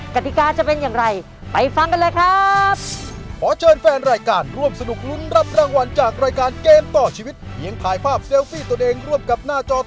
กติกาจะเป็นอย่างไรไปฟังกันเลยครับ